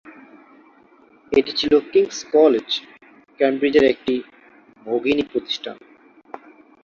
এটি ছিল King's college, কেমব্রিজের একটি ভগিনী প্রতিষ্ঠান।